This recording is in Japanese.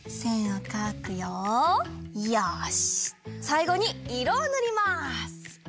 さいごにいろをぬります！